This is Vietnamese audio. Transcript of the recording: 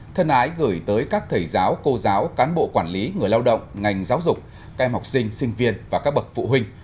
thân ái gửi tới các thầy giáo cô giáo cán bộ quản lý người lao động ngành giáo dục các em học sinh sinh viên và các bậc phụ huynh